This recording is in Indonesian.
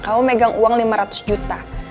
kamu megang uang lima ratus juta